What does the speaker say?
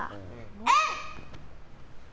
うん！